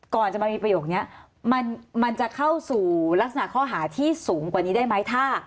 ก่อนจะมามีประโยคนี้มันจะเข้าสู่ลักษณะข้อหาที่สูงกว่านี้ได้ไหม